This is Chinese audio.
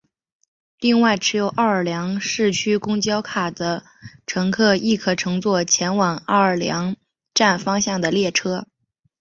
另外持有奥尔良市区公交卡的乘客亦可乘坐前往奥尔良站方向的列车。